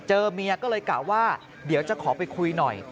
เมียก็เลยกะว่าเดี๋ยวจะขอไปคุยหน่อย